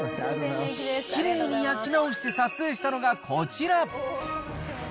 きれいに焼き直して撮影したのがこちら。